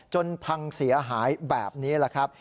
พังเสียหายแบบนี้แหละครับ